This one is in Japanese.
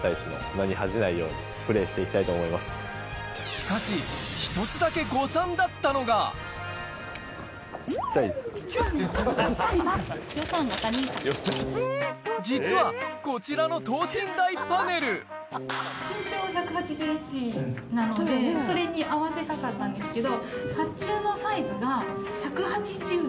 しかし１つだけ誤算だったのが実はこちらの等身大パネル身長。だったんです。と思ってたんですけど。